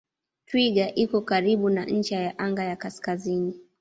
Twiga iko karibu na ncha ya anga ya kaskazini.